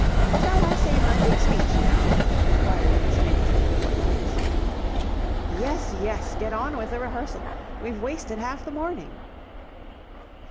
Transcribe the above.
"Shall I say my big speech now?" inquired Miss Winch, over the footlights. "Yes, yes! Get on with the rehearsal. We've wasted half the morning."